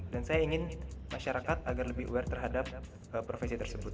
dan saya ingin masyarakat agar lebih aware terhadap profesi tersebut